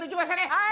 はい。